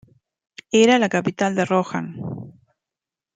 Era la capital de Rohan.